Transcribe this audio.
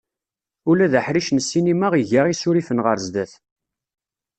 Ula d aḥric n ssinima iga isurifen ɣer sdat.